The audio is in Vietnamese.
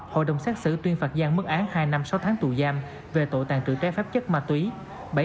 hội đồng xác xử tuyên phạt giang mất án hai năm sáu tháng tù giam về tội tàn trừ trái phép chất ma túy